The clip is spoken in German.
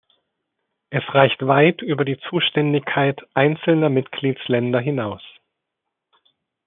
Es reicht weit über die Zuständigkeit einzelner Mitgliedsländer hinaus.